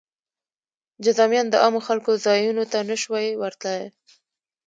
جذامیان د عامو خلکو ځایونو ته نه شوای ورتلی.